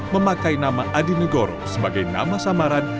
memakai nama adi negoro sebagai nama samaran